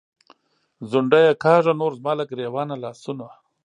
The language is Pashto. “ځونډیه”کاږه نور زما له ګرېوانه لاسونه